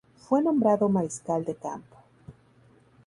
Fue nombrado mariscal de campo.